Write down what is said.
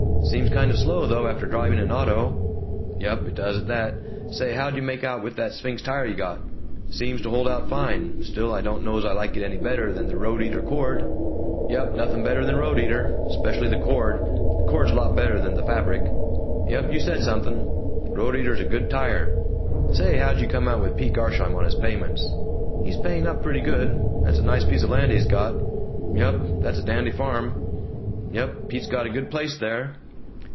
"Seems kind of slow though, after driving an auto." "Yump, it does, at that. Say, how'd you make out with that Sphinx tire you got?" "Seems to hold out fine. Still, I don't know's I like it any better than the Roadeater Cord." "Yump, nothing better than a Roadeater. Especially the cord. The cord's lots better than the fabric." "Yump, you said something Roadeater's a good tire." "Say, how'd you come out with Pete Garsheim on his payments?" "He's paying up pretty good. That's a nice piece of land he's got." "Yump, that's a dandy farm." "Yump, Pete's got a good place there."